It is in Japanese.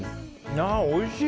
おいしい！